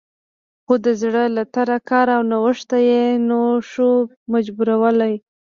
خو د زړه له تله کار او نوښت ته یې نه شو مجبورولی